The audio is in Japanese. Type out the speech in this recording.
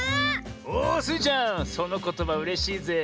おスイちゃんそのことばうれしいぜえ。